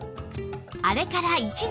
あれから１年。